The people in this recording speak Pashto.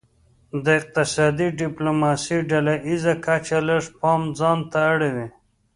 د اقتصادي ډیپلوماسي ډله ایزه کچه لږ پام ځانته اړوي